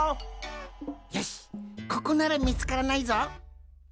よしここならみつからないぞ。